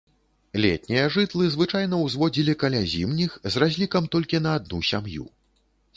Летнія жытлы звычайна ўзводзілі каля зімніх з разлікам толькі на адну сям'ю.